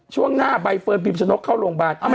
ช่วงหน้าใบเฟิร์นพิมชนกเข้าโรงพยาบาล